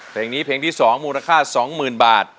เพลงนี้เพลงที่๒มูลค่า๒๐๐๐บาท